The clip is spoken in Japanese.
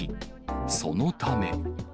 そのため。